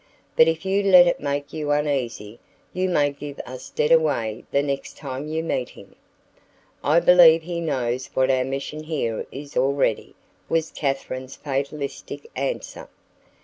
But if you let it make you uneasy, you may give us dead away the next time you meet him." "I believe he knows what our mission here is already," was Katharine's fatalistic answer.